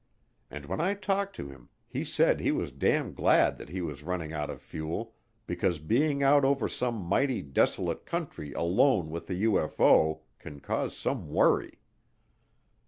And when I talked to him, he said he was damn glad that he was running out of fuel because being out over some mighty desolate country alone with a UFO can cause some worry.